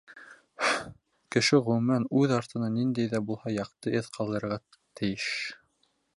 Кеше, ғөмүмән, үҙ артынан ниндәй ҙә булһа яҡты эҙ ҡалдырырға тейеш.